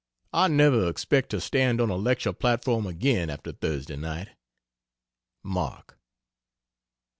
I never expect to stand on a lecture platform again after Thursday night. MARK.